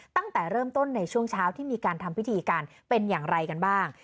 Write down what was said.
ตั้งแต่เริ่มต้นในช่วงเช้าที่มีการทำพิธีกันเป็นอย่างไรกันบ้าง